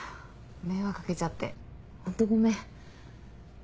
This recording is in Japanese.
迷惑掛けちゃってホントごめん。